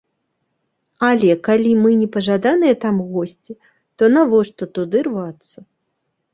Але калі мы непажаданыя там госці, то навошта туды рвацца?